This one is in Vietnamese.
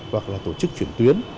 hoặc là tổ chức chuyển tuyến